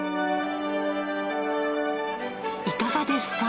いかがですか？